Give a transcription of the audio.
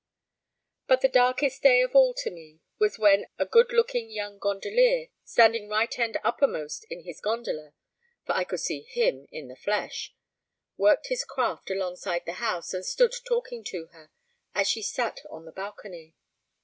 But the darkest day of all to me was when a good looking young gondolier, standing right end uppermost in his gondola (for I could see him in the flesh), worked his craft alongside the house, and stood talking to her as she sat on the balcony.